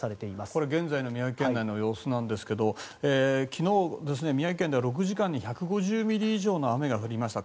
これは現在の宮城県内の様子ですが昨日、宮城県では１５０ミリ以上の雨が降りました。